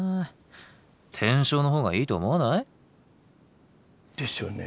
天正のほうがいいと思わない？ですよね。